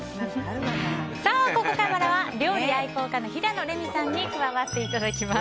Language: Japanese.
ここからは料理愛好家の平野レミさんに加わっていただきます。